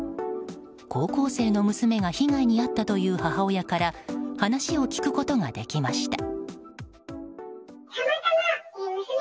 高校生の娘が被害に遭ったという母親から話を聞くことができました。